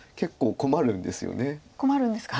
困るんですか。